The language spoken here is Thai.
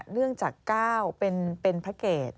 เนื่องจาก๙เป็นพระเกต